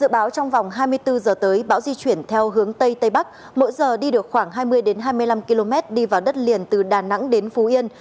bão trong vòng hai mươi bốn giờ tới bão di chuyển theo hướng tây tây bắc mỗi giờ đi được khoảng hai mươi đến hai mươi năm km đi vào đất liền từ đà nẵng đến phú yên